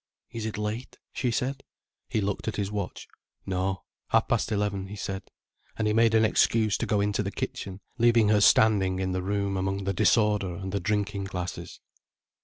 "Is it late?" she said. He looked at his watch. "No—half past eleven," he said. And he made an excuse to go into the kitchen, leaving her standing in the room among the disorder and the drinking glasses.